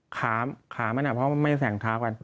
ขามขามดูหน่าเพราะมันไม่แสงเท้ากัน